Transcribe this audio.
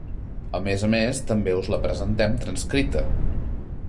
A més a més, també us la presentem transcrita.